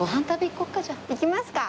行きますか！